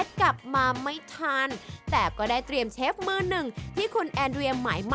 สวัสดีครับเชฟครับ